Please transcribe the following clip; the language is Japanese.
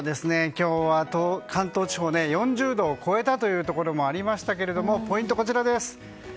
今日は関東地方で４０度を超えたところもありましたがポイントはこちらです。